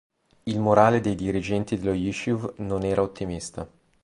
Il morale dei dirigenti dell'Yishuv non era ottimista.